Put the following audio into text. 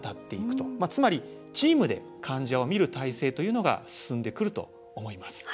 つまりチームで患者を診る体制というのが進んでくると思います。